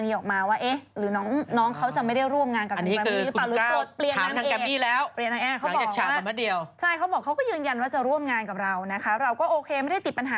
ลอยและริ่วผ่านห้วงอวกาศก่อนจะชนเข้ากับฝ่าเมฆกลุ่มใหญ่